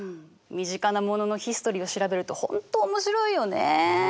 身近なもののヒストリーを調べると本当面白いよね。